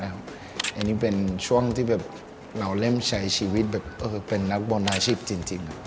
อันนี้เป็นช่วงที่แบบเราเริ่มใช้ชีวิตแบบเป็นนักบอลอาชีพจริง